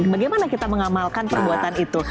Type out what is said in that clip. bagaimana kita mengamalkan perbuatan itu